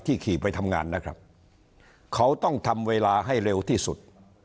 ขี่ไปทำงานนะครับเขาต้องทำเวลาให้เร็วที่สุด